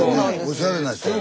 おしゃれな人や。